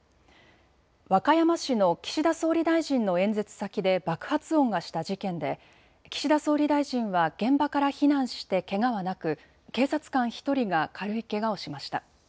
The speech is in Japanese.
和歌山市の岸田総理大臣の演説先で爆発音がした事件で岸田総理大臣は現場から避難してけがはなく警察官１人が軽いけがをしました。